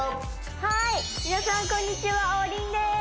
はい皆さんこんにちは王林です